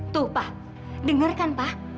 tuh pak dengarkan pak